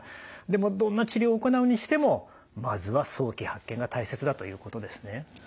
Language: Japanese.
でもどんな治療を行うにしてもまずは早期発見が大切だということですね。